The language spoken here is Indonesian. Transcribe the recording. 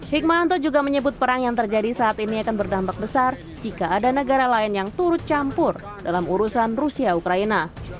hikmahanto juga menyebut perang yang terjadi saat ini akan berdampak besar jika ada negara lain yang turut campur dalam urusan rusia ukraina